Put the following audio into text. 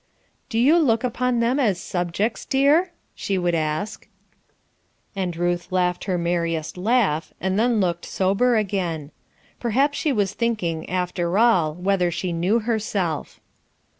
"Do you look upon them as I subjects, dear?" she would ask. And Ruth laughed her merriest laugh, and then looked sober again. Perhaps she was thinking, after all, whether she knew herself.